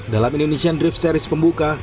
dalam indonesian drift series pembuka